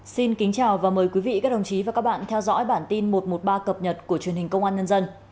xin kính chào và mời quý vị các đồng chí và các bạn theo dõi bản tin một trăm một mươi ba cập nhật của truyền hình công an nhân dân